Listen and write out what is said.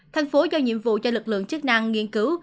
thành phố giao nhiệm vụ cho lực lượng chức năng nghiên cứu